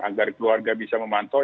agar keluarga bisa memantau